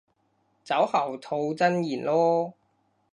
酒後吐真言囉